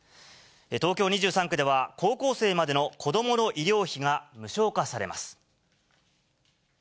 東京２３区では、高校生までの子どもの医療費が無償化されます。